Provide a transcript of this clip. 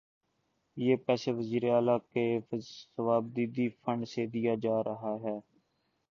یہ پیسہ وزیر اعلی کے صوابدیدی فنڈ سے دیا جا رہا ہے۔